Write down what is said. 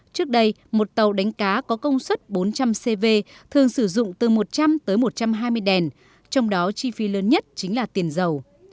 trước đây một tàu đánh cá có công suất bốn trăm linh cv thường sử dụng từ một trăm linh tới một trăm hai mươi đèn trong đó chi phí lớn nhất chính là tiền dầu